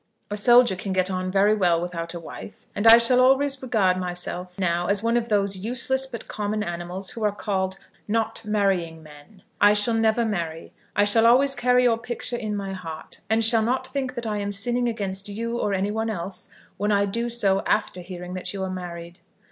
A soldier can get on very well without a wife, and I shall always regard myself now as one of those useless but common animals who are called "not marrying men." I shall never marry. I shall always carry your picture in my heart, and shall not think that I am sinning against you or any one else when I do so after hearing that you are married.